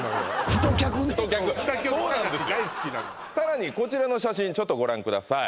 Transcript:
太客探し大好きなのさらにこちらの写真ちょっとご覧ください